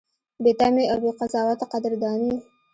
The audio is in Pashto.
بې تمې او بې قضاوته قدرداني: